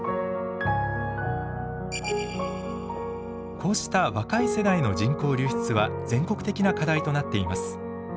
こうした若い世代の人口流出は全国的な課題となっています。